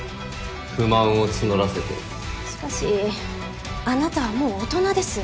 不満を募らせてしかしあなたはもう大人です。